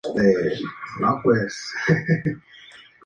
Esta especie lleva el nombre en honor a Pieter Nicolaas van Kampen.